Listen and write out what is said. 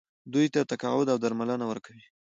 دوی ته تقاعد او درملنه ورکوي.